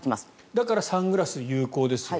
だから、サングラス有効ですよ。